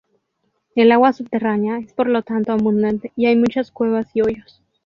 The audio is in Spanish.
El agua subterránea es por lo tanto abundante, y hay muchas cuevas y hoyos.